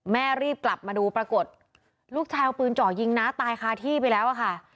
แม่รีบกลับมาดูปรากฏลูกชายเอาปืนเจาะยิงน้าตายคาที่ไปแล้วอะค่ะ